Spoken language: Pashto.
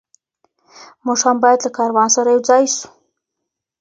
موږ هم باید له کاروان سره یو ځای سو.